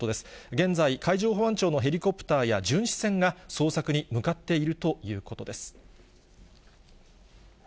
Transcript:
現在、海上保安庁のヘリコプターや、巡視船が捜索に向かっているということです。